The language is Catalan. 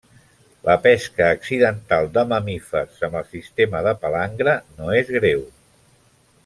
La pesca accidental de mamífers amb el sistema de palangre no és greu.